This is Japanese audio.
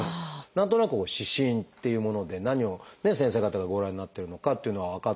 何となく四診っていうもので何を先生方がご覧になっているのかというのは分かったような気がしますが。